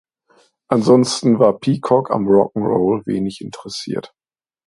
Ansonsten war Peacock am Rock ’n’ Roll wenig interessiert.